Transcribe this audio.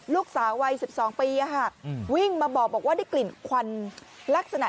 ลูกสาววัย๑๒ปีวิ่งมาบอกว่าได้กลิ่นควันลักษณะ